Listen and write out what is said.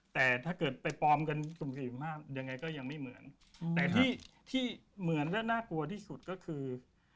แต่ที่เหมือนและน่ากลัวที่สุดก็คือ